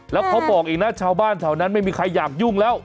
แล้วเขาบอกอีกนะชาวบ้านแถวนั้นไม่มีใครอยากยุ่งแล้ว